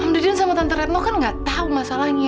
amdudin sama tante retno kan gak tau masalahnya